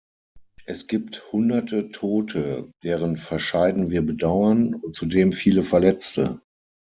Es gibt Hunderte Tote, deren Verscheiden wir bedauern, und zudem viele Verletzte.